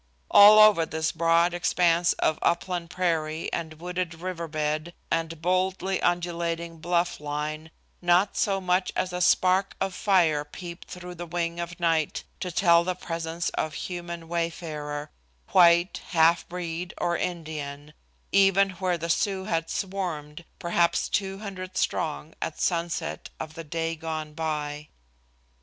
All over this broad expanse of upland prairie and wooded river bed and boldly undulating bluff line not so much as a spark of fire peeped through the wing of night to tell the presence of human wayfarer, white, halfbreed or Indian, even where the Sioux had swarmed, perhaps two hundred strong, at sunset of the day gone by.